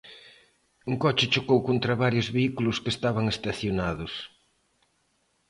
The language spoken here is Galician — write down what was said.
Un coche chocou contra varios vehículos que estaban estacionados.